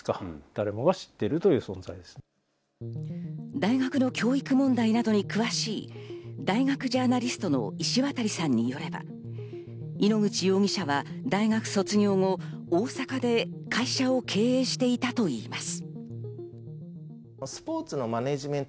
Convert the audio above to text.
大学の教育問題などに詳しい大学ジャーナリストの石渡さんによれば、井ノ口容疑者は大学卒業後、大阪で会社を経営していたといいます。